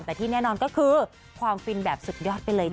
แต่ที่แน่นอนก็คือความฟินแบบสุดยอดไปเลยนะ